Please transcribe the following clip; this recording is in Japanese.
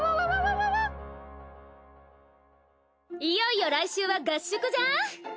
いよいよ来週は合宿じゃん！